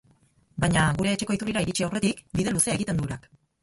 Baina, gure etxeko iturrira iritsi aurretik bide luzea egiten du urak.